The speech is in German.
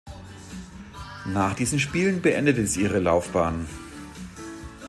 Nach diesen Spielen beendete sie ihre Laufbahn.